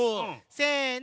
せの！